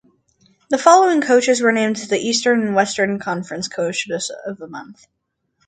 The following coaches were named the Eastern and Western Conference Coaches of the Month.